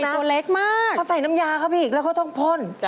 ใช่ตัวเล็กมากพ่อใส่น้ำยาครับพี่แล้วก็ต้องพ่น